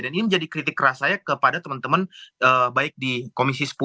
dan ini menjadi kritik keras saya kepada teman teman baik di komisi sepuluh